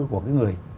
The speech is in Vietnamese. của cái người